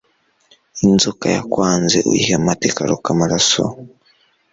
Inzoka yakwanze uyiha amata ikaruka amaraso